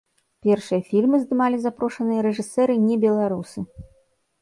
Першыя фільмы здымалі запрошаныя рэжысэры-небеларусы.